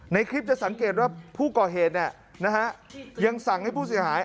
ในคลิปจะสังเกตว่าผู้ก่อเหตุยังสั่งให้ผู้เสียหาย